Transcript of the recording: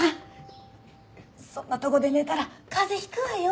そんなとこで寝たら風邪引くわよ。